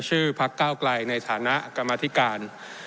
ชื่อผลักก้าวกลายในฐานะกรรมธิการ